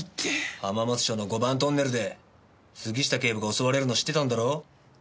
浜松町の５番トンネルで杉下警部が襲われるの知ってたんだろう？